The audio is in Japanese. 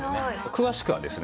詳しくはですね